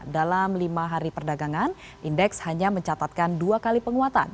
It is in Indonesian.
dalam lima hari perdagangan indeks hanya mencatatkan dua kali penguatan